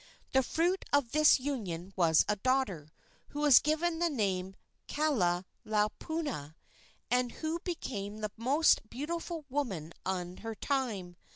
The fruit of this union was a daughter, who was given the name of Kahalaopuna, and who became the most beautiful woman of her time.